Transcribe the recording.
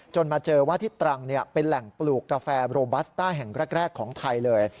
มาเจอว่าที่ตรังเป็นแหล่งปลูกกาแฟโรบัสต้าแห่งแรกของไทยเลย